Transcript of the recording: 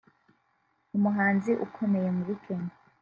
umuhanzi ukomeye muri Kenya